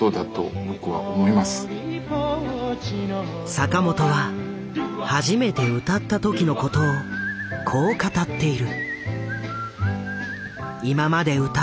坂本は初めて歌った時のことをこう語っている。